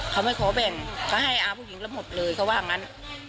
เขาไม่ขอแบ่งเขาให้อาผู้หญิงแล้วหมดเลยเขาว่างั้น